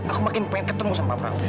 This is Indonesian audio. aku makin pengen ketemu sama pak prabu